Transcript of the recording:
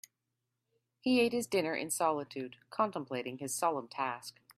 He ate his dinner in solitude, contemplating his solemn task.